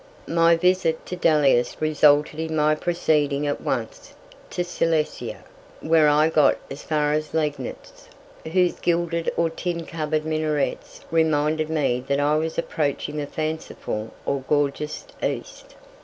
My visit to Delius resulted in my proceeding at once to Silesia, where I got as far as Liegnitz, whose gilded or tin covered minarets reminded me that I was approaching the fanciful or gorgeous East.